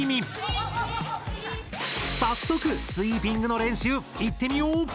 早速スイーピングの練習いってみよう！